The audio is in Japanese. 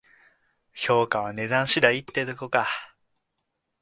評価は値段次第ってことか